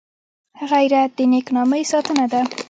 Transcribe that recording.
غیرت د نېک نامۍ ساتنه ده